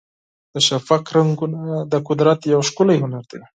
د شفق رنګونه د قدرت یو ښکلی هنر دی.